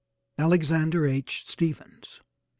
ALEXANDER H. STEPHENS.